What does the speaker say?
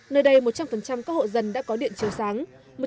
nơi đây một trăm linh các hộ dân đã có điện chiều sáng